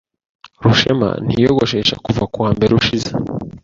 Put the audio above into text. Rushema ntiyiyogoshesha kuva kuwa mbere ushize.